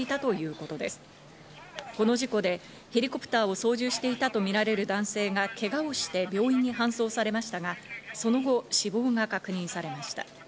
この事故でヘリコプターを操縦していたとみられる男性がけがをして病院に搬送されましたが、その後、死亡が確認されました。